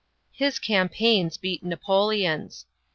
His campaigns beat Napoleon'45.